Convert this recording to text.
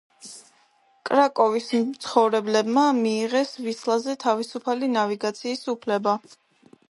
კრაკოვის მცხოვრებლებმა მიიღეს ვისლაზე თავისუფალი ნავიგაციის უფლება.